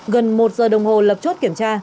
gần một giờ đồng hồ lập chốt kiểm tra